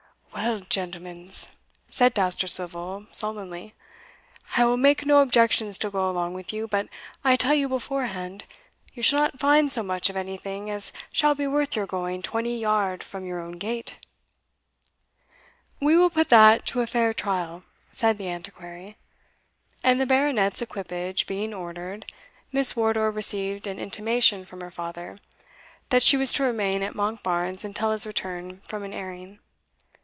"Well, gentlemens," said Dousterswivel, sullenly, "I will make no objections to go along with you but I tell you beforehand, you shall not find so much of anything as shall be worth your going twenty yard from your own gate." "We will put that to a fair trial," said the Antiquary; and the Baronet's equipage being ordered, Miss Wardour received an intimation from her father, that she was to remain at Monkbarns until his return from an airing.